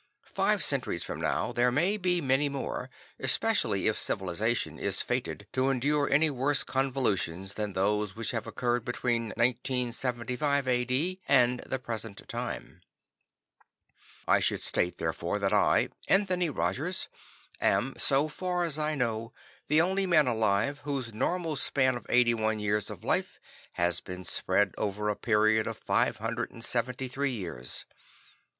Five centuries from now there may be many more, especially if civilization is fated to endure any worse convulsions than those which have occurred between 1975 A.D. and the present time. I should state therefore, that I, Anthony Rogers, am, so far as I know, the only man alive whose normal span of eighty one years of life has been spread over a period of 573 years.